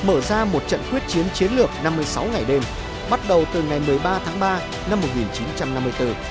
từ quyết định lịch sử này mở ra một trận quyết chiến chiến lược năm mươi sáu ngày đêm bắt đầu từ ngày một mươi ba tháng ba năm một nghìn chín trăm năm mươi bốn